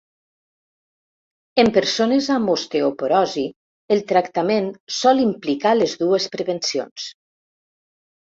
En persones amb osteoporosi, el tractament sol implicar les dues prevencions.